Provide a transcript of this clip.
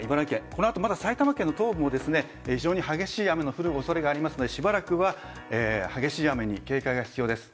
このあとまだ埼玉県の東部も非常に激しい雨が降る恐れがありますのでしばらくは激しい雨に警戒が必要です。